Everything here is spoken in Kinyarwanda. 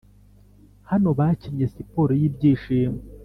hano bakinnye siporo yibyishimo,